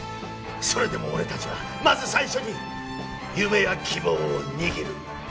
それでも俺たちはまず最初に夢や希望を握る。